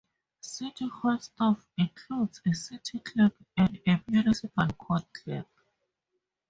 City Hall staff includes a City Clerk and a Municipal Court Clerk.